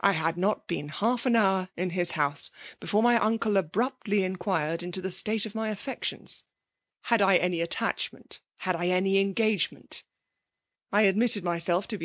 I had not been half an hour in his house, before my uncle abruptly 204 FEMALV DOMIMATIOR faqi^red into the state of my affections* '^'Had I any attachment — had I any engagement V j^I admitted myself to be